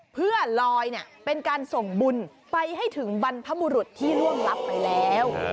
เพื่อลอยเป็นการส่งบุญไปให้ถึงบรรพบุรุษที่ร่วงรับไปแล้ว